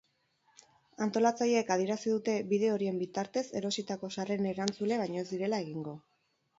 Antolatzaileek adierazi dute bide horien bitartez erositako sarreren erantzule baino ez direla egingo.